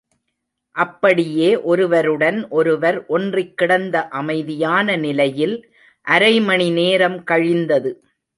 அப்படியே ஒருவருடன் ஒருவர் ஒன்றிக்கிடந்த அமைதியான நிலையில் அரைமணி நேரம் கழிந்தது.